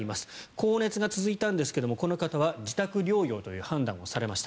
高熱が続いたんですけどもこの方は自宅療養という判断をされました。